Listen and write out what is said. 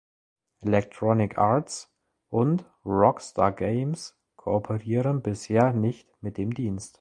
Electronic Arts und Rockstar Games kooperieren bisher nicht mit dem Dienst.